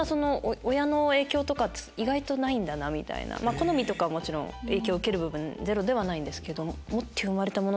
好みとかもちろん影響受ける部分ゼロではないんですけど。